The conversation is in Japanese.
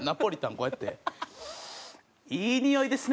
こうやって「いいにおいですね！」